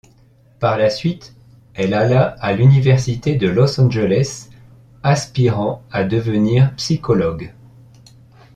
Par la suite, elle alla à l'université à Los Angeles, aspirant à devenir psychologue.